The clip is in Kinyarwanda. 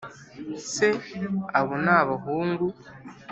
se » (abo ni abahungu)